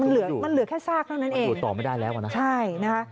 มันเหลือมันเหลือแค่ซากเท่านั้นเองอยู่ต่อไม่ได้แล้วอ่ะนะใช่นะคะ